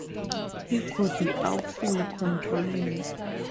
He could be awfully controlling.